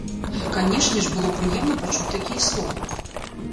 Канешне ж, было прыемна пачуць такія словы.